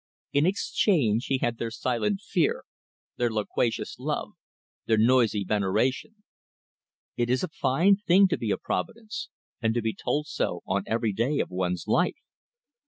In exchange he had their silent fear, their loquacious love, their noisy veneration. It is a fine thing to be a providence, and to be told so on every day of one's life.